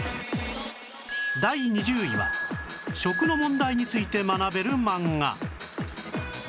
第２０位は食の問題について学べる漫画